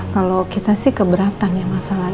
kalau kita sih keberatan yang asalnyaak